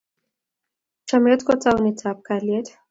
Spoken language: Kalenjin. Chamet ko taunetap kalyet